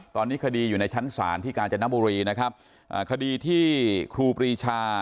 ตอนนี้คดีอยู่ในชั้นศาลที่กาญจนบุรีนะครับอ่าคดีที่ครูปรีชา